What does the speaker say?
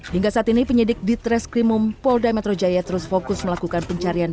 hingga saat ini penyidik di treskrimum polda metro jaya terus fokus melakukan pencarian